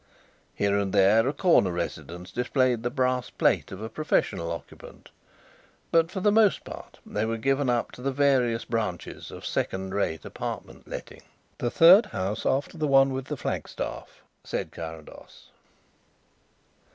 Here and there a corner residence displayed the brass plate of a professional occupant, but for the most part they were given up to the various branches of second rate apartment letting. "The third house after the one with the flagstaff," said Carrados.